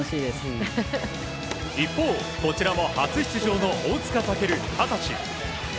一方、こちらも初出場の大塚健２０歳。